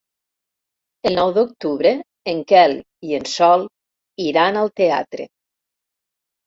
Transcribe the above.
El nou d'octubre en Quel i en Sol iran al teatre.